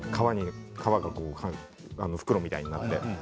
皮が袋みたいになって。